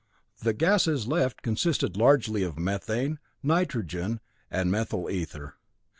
The gases left consisted largely of methane, nitrogen, and methyl ether.